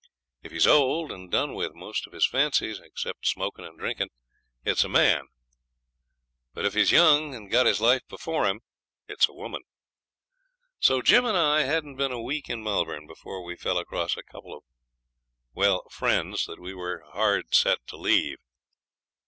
If he's old and done with most of his fancies, except smokin' and drinkin' it's a man. If he's young and got his life before him it's a woman. So Jim and I hadn't been a week in Melbourne before we fell across a couple of well, friends that we were hard set to leave.